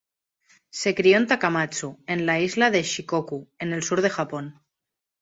Se crio en Takamatsu, en la isla de Shikoku, en el sur de Japón.